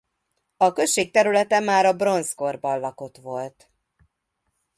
A község területe már a bronzkorban lakott volt.